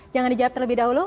jangan dijawab terlebih dahulu